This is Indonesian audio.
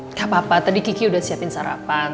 nggak apa apa tadi kiki udah siapin sarapan